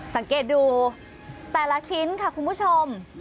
สังเกตดูแต่ละชิ้นค่ะคุณผู้ชม